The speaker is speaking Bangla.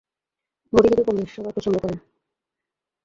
মুড়ি খেতে কমবেশি সবাই পছন্দ করেন।